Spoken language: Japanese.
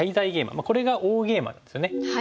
これが大ゲイマなんですよね。